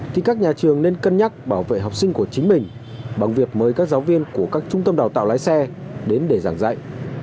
thì các nhà trường nên cân nhắc bảo vệ học sinh của chính mình bằng việc mời các giáo viên của các trung tâm đào tạo lái xe đến để giảng dạy